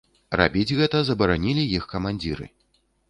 Рабіць гэта забаранілі іх камандзіры.